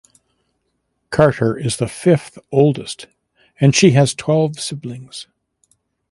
Carter is the fifth oldest and she has twelve siblings.